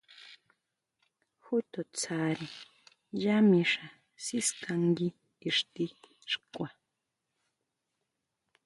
Ju to tsáre yá mixa siskángui ixti xkua.